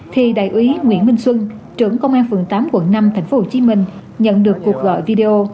thì đại úy nguyễn minh xuân trưởng công an phường tám quận năm tp hcm nhận được cuộc gọi video